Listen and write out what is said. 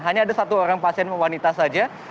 hanya ada satu orang pasien wanita saja